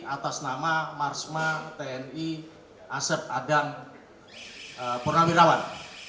atas nama marsma tni asep adan purnamirawan